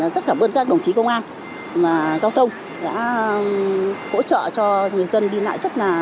rất cảm ơn các đồng chí công an và giao thông đã hỗ trợ cho người dân đi lại